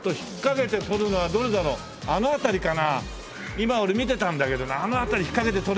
今俺見てたんだけどなあの辺り引っかけて取れるかな？